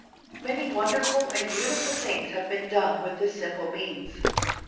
Many wonderful and beautiful things have been done with this simple means.